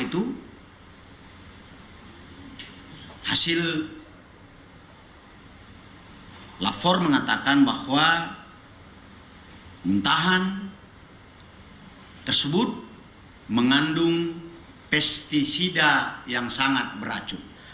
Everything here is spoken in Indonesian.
itu hasil lapor mengatakan bahwa muntahan tersebut mengandung pesticida yang sangat beracun